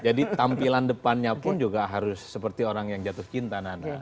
jadi tampilan depannya pun juga harus seperti orang yang jatuh cinta